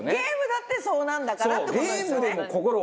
ゲームだってそうなるんだから。